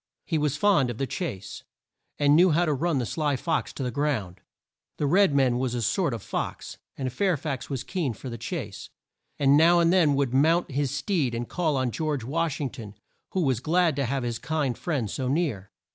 He was fond of the chase, and knew how to run the sly fox to the ground. The red man was a sort of fox, and Fair fax was keen for the chase, and now and then would mount his steed and call on George Wash ing ton, who was glad to have his kind friend so near.